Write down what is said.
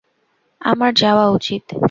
আমার যাওয়া উচিত।